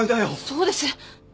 そうです。